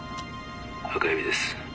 「赤蛇です」。